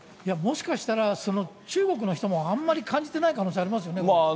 もしかしたら、中国の人もあんまり感じてない可能性ありますよね。